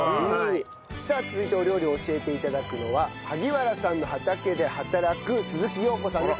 さあ続いてお料理を教えて頂くのは萩原さんの畑で働く鈴木陽子さんです。